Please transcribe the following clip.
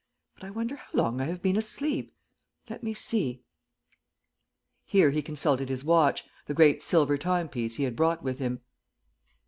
But I wonder how long I have been asleep; let me see." Here he consulted his watch, the great silver timepiece he had brought with him.